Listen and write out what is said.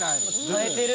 「耐えてる」